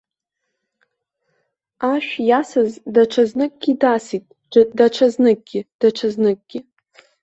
Ашә иасыз даҽазныкгьы дасит, даҽазныкгьы, даҽазныкгьы.